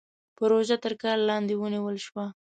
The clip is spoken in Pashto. پروژه تر کار لاندې ونيول شوه.